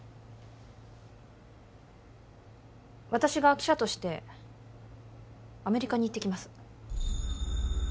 私が記者としてアメリカに行ってきます